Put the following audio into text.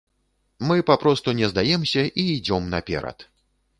Мы папросту не здаемся і ідзём наперад.